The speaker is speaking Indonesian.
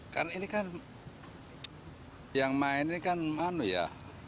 kan ini kan yang main ini kan manu ya